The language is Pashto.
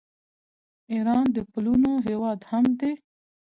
ایران د پلونو هیواد هم دی.